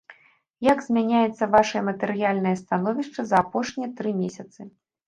Як змяняецца вашае матэрыяльнае становішча за апошнія тры месяцы?